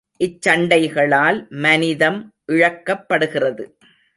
இச்சண்டைகளால் மனிதம் இழக்கப்படுகிறது!